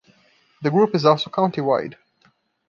The group is also countywide.